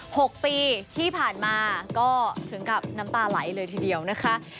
หกปีที่ผ่านมาก็ถึงกับน้ำตาไหลเลยทีเดียวนะคะ